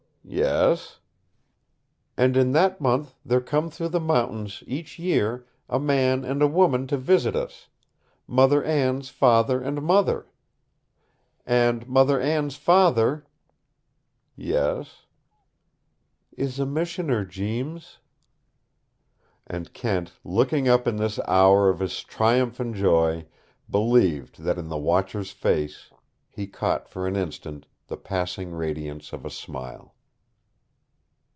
"Yes ?" "And in that month there come through the mountains, each year, a man and a woman to visit us mother Anne's father and mother. And mother Anne's father " "Yes ?" "Is a missioner, Jeems." And Kent, looking up in this hour of his triumph and joy, believed that in the Watcher's face he caught for an instant the passing radiance of a smile.